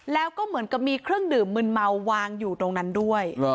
แล้วก็เหมือนกับมีเครื่องดื่มมืนเมาวางอยู่ตรงนั้นด้วย